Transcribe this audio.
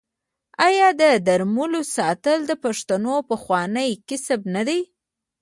آیا د رمو ساتل د پښتنو پخوانی کسب نه دی؟